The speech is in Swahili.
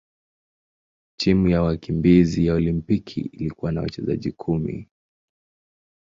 Timu ya wakimbizi ya Olimpiki ilikuwa na wachezaji kumi.